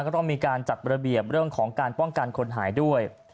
ก็ต้องมีการจัดระเบียบเรื่องของการป้องกันคนหายด้วย